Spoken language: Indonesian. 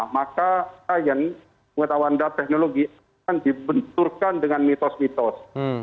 maka pengetahuan data teknologi akan dibenturkan dengan mitos mitos